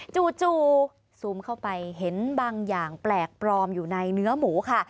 จู่ซูมเข้าไปเห็นบางอย่างแปลกปลอมอยู่ในเนื้อหมูค่ะ